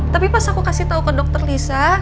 tapi pas aku kasih tahu ke dokter lisa